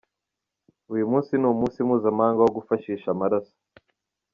Uyu munsi ni umunsi mpuzamahanga wo gufashisha amaraso.